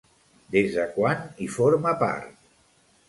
Des de quan hi forma part?